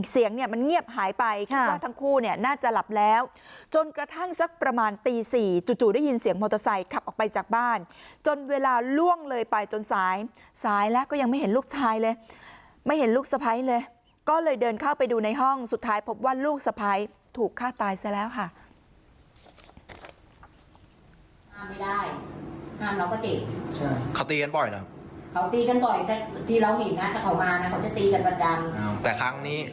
เสียงเนี่ยมันเงียบหายไปคิดว่าทั้งคู่เนี่ยน่าจะหลับแล้วจนกระทั่งสักประมาณตีสี่จู่ได้ยินเสียงมอเตอร์ไซค์ขับออกไปจากบ้านจนเวลาล่วงเลยไปจนสายสายแล้วก็ยังไม่เห็นลูกชายเลยไม่เห็นลูกสะพ้ายเลยก็เลยเดินเข้าไปดูในห้องสุดท้ายพบว่าลูกสะพ้ายถูกฆ่าตายซะแล้วค่ะ